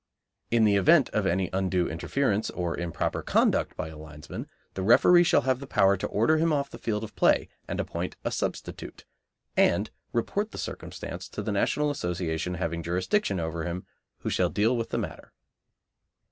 In the event of any undue interference or improper conduct by a linesman the referee shall have power to order him off the field of play and appoint a substitute, and report the circumstances to the National Association having jurisdiction over him, who shall deal with the matter.